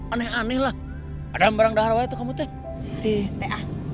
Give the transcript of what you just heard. aneh aneh lah ada barang darah itu kamu teh di